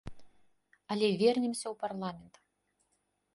Але вернемся ў парламент.